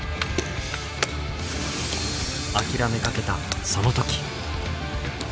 諦めかけたその時。